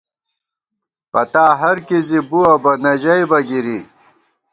پتا ہر کِی زی بُوَہ بہ ، نہ ژَئیبہ گِرِی